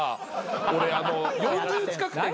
俺４０近くて。